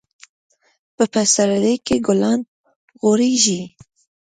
په پسرلي کي ګلان غوړيږي.